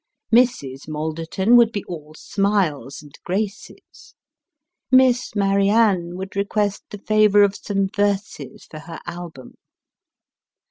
Mrs. Malderton would be all smiles and graces. Miss Marianne would request the favour of some verses for her album.